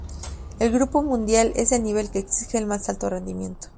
El Grupo Mundial es el nivel que exige el más alto rendimiento.